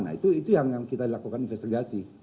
nah itu yang kita lakukan investigasi